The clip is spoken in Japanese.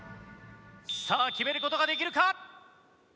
さあ決める事ができるか！？